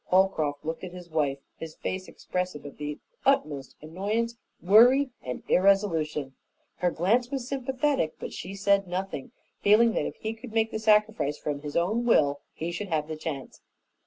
Holcroft looked at his wife, his face expressive of the utmost annoyance, worry, and irresolution. Her glance was sympathetic, but she said nothing, feeling that if he could make the sacrifice from his own will he should have the chance.